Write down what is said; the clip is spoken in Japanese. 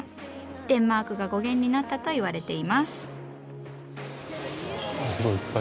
デンマークが語源になったと言われています。